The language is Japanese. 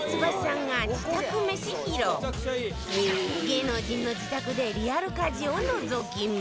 芸能人の自宅でリアル家事をのぞき見